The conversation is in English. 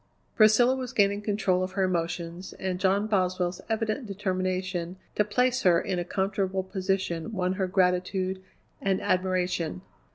Priscilla was gaining control of her emotions, and John Boswell's evident determination to place her in a comfortable position won her gratitude and admiration.